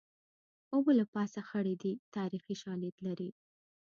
اوبه له پاسه خړې دي تاریخي شالید لري